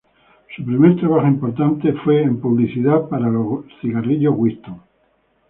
Su primer trabajo importante fue en una publicidad para los Winston Cigarettes.